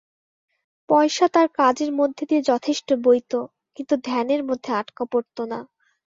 পয়সা তাঁর কাজের মধ্যে দিয়ে যথেষ্ট বইত, কিন্তু ধ্যানের মধ্যে আটকা পড়ত না।